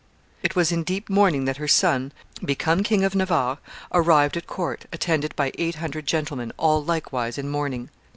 It was in deep mourning that her son, become King of Navarre, arrived at court, attended by eight hundred gentlemen, all likewise in mourning.